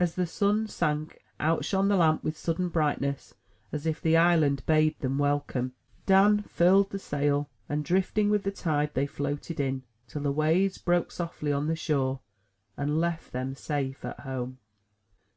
As the sun sunk, out shone the lamp with sudden brightness, as if the island bade them welcome. Dan furled the sail; and, drifting with the tide, they floated in, till the waves broke softly on the shore, and left them safe at home.